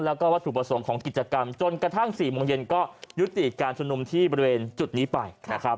แล้วก็วัตถุประสงค์ของกิจกรรมจนกระทั่ง๔โมงเย็นก็ยุติการชุมนุมที่บริเวณจุดนี้ไปนะครับ